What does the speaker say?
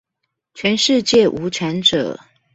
全世界無產者